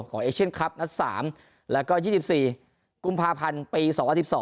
เอเชียนคลับนัด๓แล้วก็๒๔กุมภาพันธ์ปี๒๐๑๒